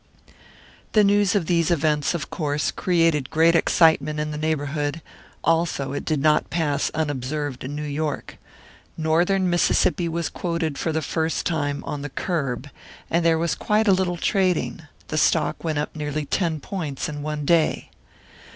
The news of these events, of course, created great excitement in the neighbourhood; also it did not pass unobserved in New York. Northern Mississippi was quoted for the first time on the "curb," and there was quite a little trading; the stock went up nearly ten points in one day.